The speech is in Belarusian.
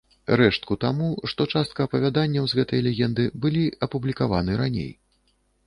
Рэштку таму, што частка апавяданняў з гэтай легенды былі апублікаваны раней.